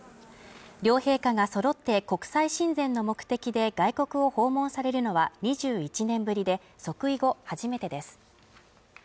両陛下が揃って国際親善の目的で外国を訪問されるのは２１年ぶりで、即位後、初めてです。